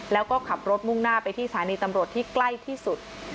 แล้วก็ขับรถมุ่งหน้าไปที่สถานีตำรวจที่ใกล้ที่สุด